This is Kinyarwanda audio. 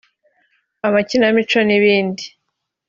amakinamico n’ibindi